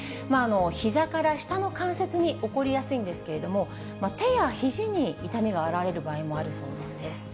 ひざから下の関節に起こりやすいんですけれども、手やひじに痛みが現れる場合もあるそうなんです。